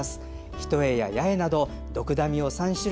一重や八重などドクダミを３種類。